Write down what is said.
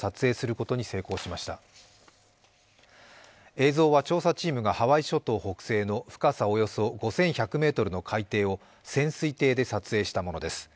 映像は調査チームがハワイ諸島北西の深さおよそ５１００ｍの海底を潜水艇で撮影したものです。